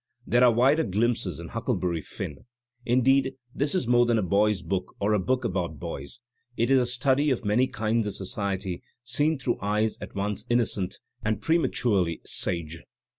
There are wider glimpses in "Huckleberry Finn. Indeed this is more than a boy's book or a book about boys It is a study of many kinds of society seen through eyes at once innocent and prematurely sage.